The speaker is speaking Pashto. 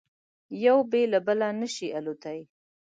یو بې له بله نه شي الوزېدای.